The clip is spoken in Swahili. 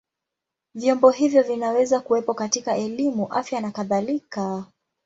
Vyombo hivyo vinaweza kuwepo katika elimu, afya na kadhalika.